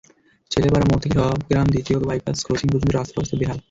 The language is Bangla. চেলোপাড়া মোড় থেকে সাবগ্রাম দ্বিতীয় বাইপাস ক্রসিং পর্যন্ত রাস্তার অবস্থা বেহাল।